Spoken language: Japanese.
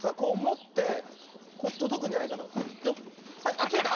あっついた。